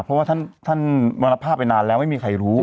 เพราะว่าท่านมรณภาพไปนานแล้วไม่มีใครรู้